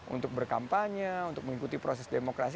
untuk berkampanye untuk mengikuti proses demokrasi